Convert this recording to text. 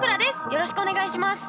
よろしくお願いします。